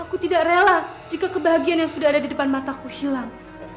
aku tidak rela jika kebahagiaan yang sudah ada di depan mataku hilang